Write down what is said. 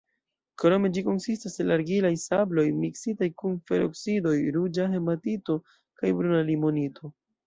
Krome ĝi konsistas el argilaj sabloj miksitaj kun feroksidoj: ruĝa hematito kaj bruna limonito.